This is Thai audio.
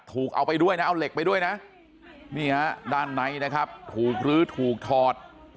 ถูกเอาไปด้วยนะเอาเหล็กไปด้วยนะนี่ฮะด้านในนะครับถูกลื้อถูกถอด